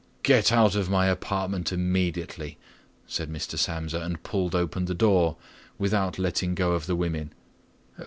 "Get out of my apartment immediately," said Mr. Samsa and pulled open the door, without letting go of the women.